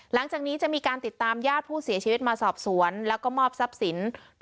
หลังจากนี้จะมีการติดตามญาติผู้เสียชีวิตมาสอบสวนแล้วก็มอบทรัพย์สิน